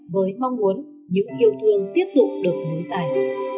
với mong muốn những yêu thương tiếp tục được nối giải